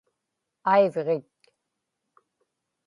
aivġit